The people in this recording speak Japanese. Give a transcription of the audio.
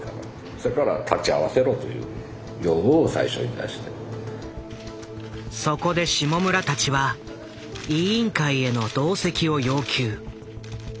そやからそこで下村たちは委員会への同席を要求。